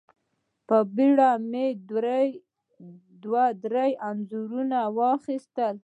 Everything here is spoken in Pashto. په بېړه مو دوه درې انځورونه واخيستل.